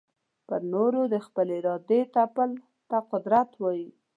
پر نورو د خپلي ارادې تپلو ته قدرت وايې.